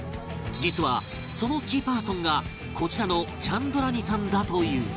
実はそのキーパーソンがこちらのチャンドラニさんだという